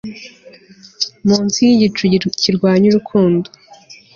munsi yigicu kirwanya urukundo